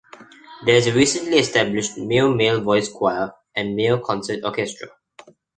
There is a recently established Mayo male voice choir and Mayo Concert Orchestra.